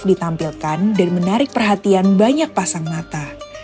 ditampilkan dan menarik perhatian banyak pasang mata